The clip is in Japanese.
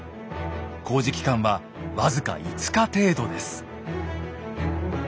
工事期間は僅か５日程度です。